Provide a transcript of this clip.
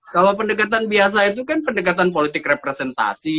kalau pendekatan biasa itu kan pendekatan politik representasi